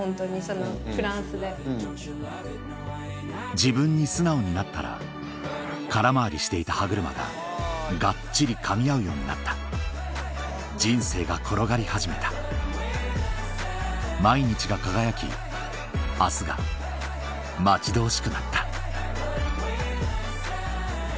自分に素直になったら空回りしていた歯車ががっちりかみ合うようになった人生が転がり始めた毎日が輝き明日が待ち遠しくなったえ